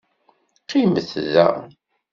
Qimet da.